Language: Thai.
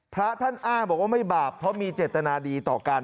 พระท่านอ้างบอกว่าไม่บาปเพราะมีเจตนาดีต่อกัน